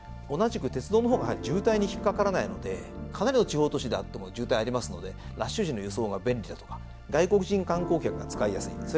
同じく鉄道の方が渋滞に引っ掛からないのでかなりの地方都市であっても渋滞ありますのでラッシュ時の輸送が便利だとか外国人観光客が使いやすい。